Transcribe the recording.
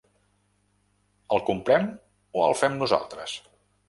El comprem o el fem nosaltres?